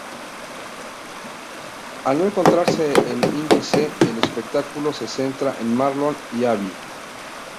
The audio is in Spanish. Al no centrarse en Indie, el espectáculo se centra en Marlon y Abi.